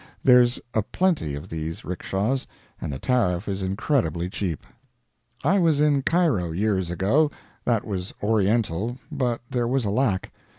There's a plenty of these 'rickshas, and the tariff is incredibly cheap. I was in Cairo years ago. That was Oriental, but there was a lack.